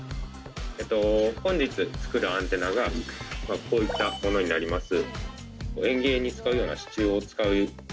本日、作るアンテナがこういったものになります。